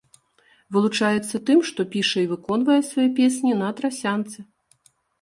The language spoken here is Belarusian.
Вылучаецца тым, што піша і выконвае свае песні на трасянцы.